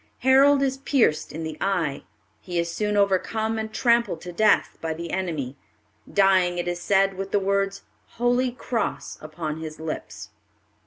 Harold is pierced in the eye. He is soon overcome and trampled to death by the enemy, dying, it is said, with the words "Holy Cross" upon his lips.